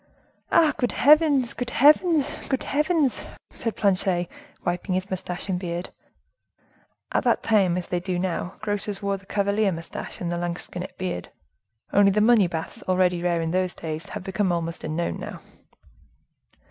"Ah! good heavens! good heavens! good heavens!" said Planchet, wiping his mustache and beard. At that time, as they do now, grocers wore the cavalier mustache and the lansquenet beard, only the money baths, already rare in those days, have become almost unknown now.